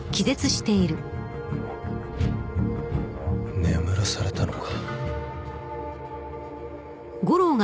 眠らされたのか？